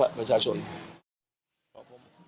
ไม่มีครับก็ทำอย่างที่ทำมานะครับก็คือลงพื้นที่เยอะ